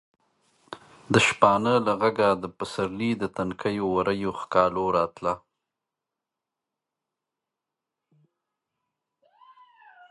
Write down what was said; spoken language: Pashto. د شپانه له غږه د پسرلي د تنکیو ورویو ښکالو راتله.